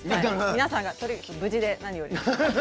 皆さんが無事で何よりです。